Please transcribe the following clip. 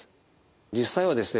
実際はですね